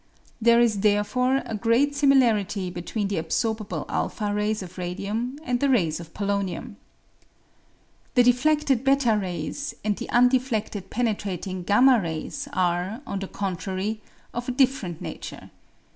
There is therefore a great similarity between the absorbable u rays of radium and the rays of polonium. The defleded /li rays and the undefledled penetrating 7 rays are, on the contrary, of a different nature.